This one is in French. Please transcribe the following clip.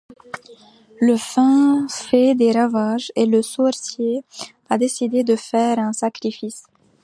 La faim fait des ravages et le sorcier a décidé de faire un sacrifice.